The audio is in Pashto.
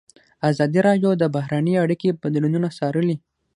ازادي راډیو د بهرنۍ اړیکې بدلونونه څارلي.